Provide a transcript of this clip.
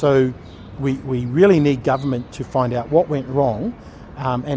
jadi kita benar benar butuh pemerintah untuk mengetahui apa yang salah